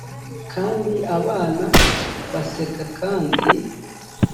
kandi abana baseka kandi